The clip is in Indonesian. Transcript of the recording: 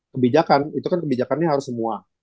kebijakan itu kan kebijakannya harus semua